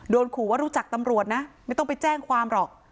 ขู่ว่ารู้จักตำรวจนะไม่ต้องไปแจ้งความหรอก